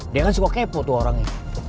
dia kan suka kepo tuh orangnya